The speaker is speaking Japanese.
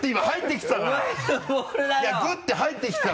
グッて入ってきてたから。